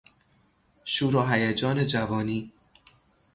شور و هیجان جوانی